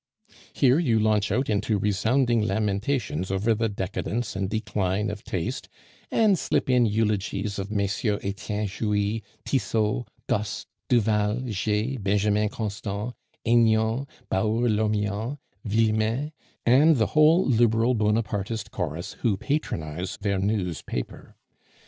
"Here you launch out into resounding lamentations over the decadence and decline of taste, and slip in eulogies of Messieurs Etienne Jouy, Tissot, Gosse, Duval, Jay, Benjamin Constant, Aignan, Baour Lormian, Villemain, and the whole Liberal Bonapartist chorus who patronize Vernou's paper.